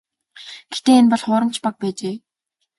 Гэхдээ энэ бол хуурамч баг байжээ.